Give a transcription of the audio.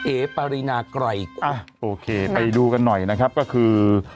ปารีนาไกรโอเคไปดูกันหน่อยนะครับก็คือ